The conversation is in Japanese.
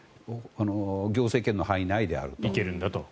行政権の範囲内であると。